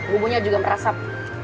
bumbunya juga merasap